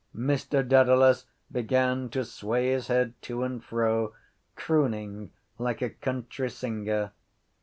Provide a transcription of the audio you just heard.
Mr Dedalus began to sway his head to and fro, crooning like a country singer.